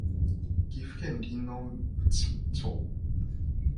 岐阜県輪之内町